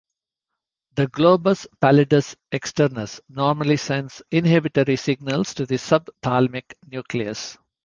The globus pallidus externus normally sends inhibitory signals to the subthalamic nucleus.